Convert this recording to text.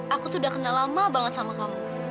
aku tuh udah kenal lama banget sama kamu